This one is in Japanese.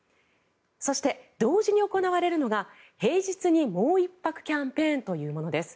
そして、同時に行われるのが平日にもう一泊キャンペーンというものです。